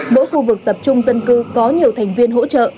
mỗi khu vực tập trung dân cư có nhiều thành viên hỗ trợ